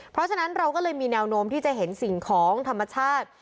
เพราะฉะนั้นเราก็เลยมีแนวโน้มที่จะเห็นสิ่งของธรรมชาติ